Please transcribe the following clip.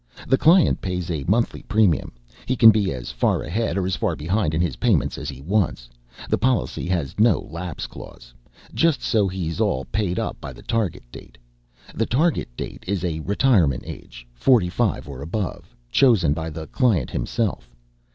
"The client pays a monthly premium. He can be as far ahead or as far behind in his payments as he wants the policy has no lapse clause just so he's all paid up by the Target Date. The Target Date is a retirement age, forty five or above, chosen by the client himself.